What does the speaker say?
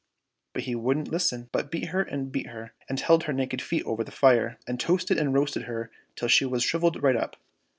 But he wouldn't listen, but beat her and beat her, and held her naked feet over the fire, and toasted and roasted her till she shrivelled right up.